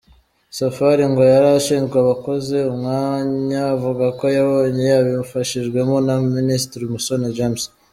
Safari ngo yari ashinzwe abakozi; umwanya avuga ko yabonye abifashijwemo na Minisitiri Musoni James.